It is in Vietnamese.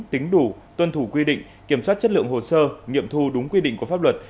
tính đủ tuân thủ quy định kiểm soát chất lượng hồ sơ nghiệm thu đúng quy định của pháp luật